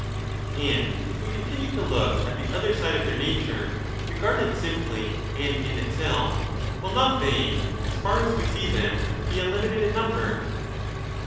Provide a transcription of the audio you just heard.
And if we continue to look at the other side of their nature, The others regarded simply, and in itself, will not they, as far as we see "»^™j*«<* .,.....,»% andalso them, be unlimited m number